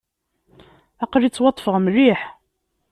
Aql-i ttwaṭṭfeɣ mliḥ.